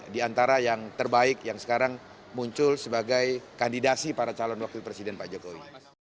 di antara yang terbaik yang sekarang muncul sebagai kandidasi para calon wakil presiden pak jokowi